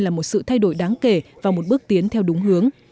là một sự thay đổi đáng kể và một bước tiến theo đúng hướng